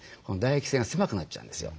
唾液腺が狭くなっちゃうんですよ。